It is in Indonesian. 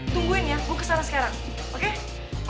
tungguin ya gue kesana sekarang oke